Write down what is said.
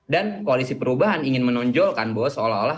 dari teman teman mahasiswa